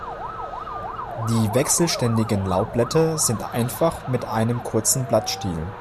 Die wechselständigen Laubblätter sind einfach mit einem kurzen Blattstiel.